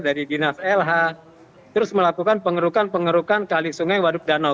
dari dinas lh terus melakukan pengerukan pengerukan kali sungai waduk danau